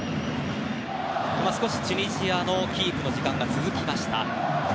今、少しチュニジアのキープの時間が続きました。